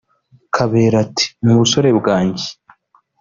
Kabera ati “Mu busore bwanjye